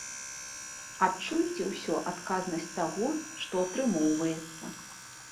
Адчуйце ўсё адказнасць таго, што атрымоўваецца!